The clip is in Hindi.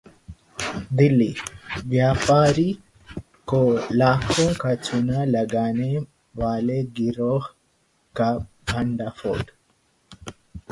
दिल्लीः व्यापारी को लाखों का चूना लगाने वाले गिरोह का भंडाफोड़